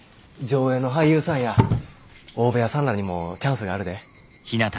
条映の俳優さんや大部屋さんらにもチャンスがあるで。